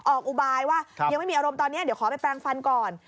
อุบายว่ายังไม่มีอารมณ์ตอนนี้เดี๋ยวขอไปแปลงฟันก่อน